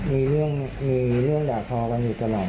มีเรื่องหยาคอกันอยู่กันเลย